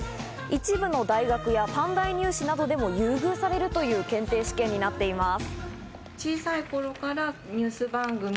一部の大学や短大入試などでも優遇されるという検定試験になっています。